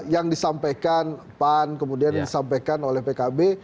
yang disampaikan pan kemudian disampaikan oleh pkb